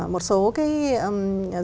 một số cái